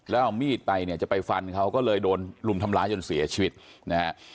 แล้วเอามีดไปเนี่ยจะไปฟันเขาก็เลยโดนลุมทำร้ายจนเสียชีวิตนะฮะ